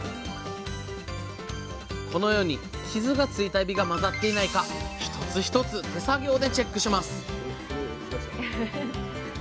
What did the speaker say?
このように傷がついたエビが混ざっていないか一つ一つ手作業でチェックします